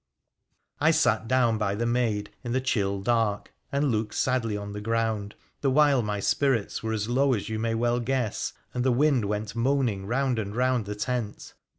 I sat down by the maid in the chill dark, and looked sadly on the ground, the while my spirits were as low as you may well guess, and the wind went moaning round and round the tent.